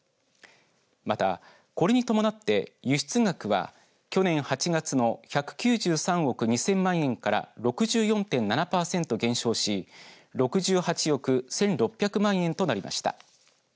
また、これに伴って輸出額は去年８月の１９３億２０００万円から６４．７パーセント減少し６８億１６００万円となりました。